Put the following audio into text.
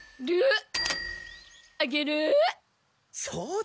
そうだ。